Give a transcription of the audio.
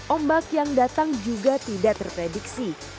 ombak yang datang juga tidak terprediksi